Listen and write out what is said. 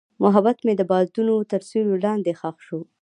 محبت مې د بادونو تر سیوري لاندې ښخ شو.